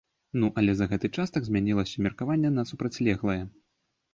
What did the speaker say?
Ну але за гэты час так змянілася меркаванне на супрацьлеглае.